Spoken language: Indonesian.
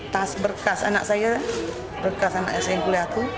tas berkas anak saya berkas anak saya yang kuliah itu